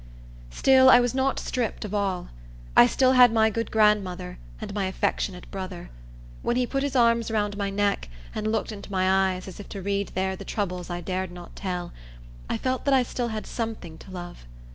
Still I was not stripped of all. I still had my good grandmother, and my affectionate brother. When he put his arms round my neck, and looked into my eyes, as if to read there the troubles I dared not tell, I felt that I still had something to love.